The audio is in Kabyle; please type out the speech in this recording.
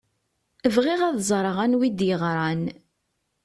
Bɣiɣ ad ẓṛeɣ anwa i d-yeɣṛan.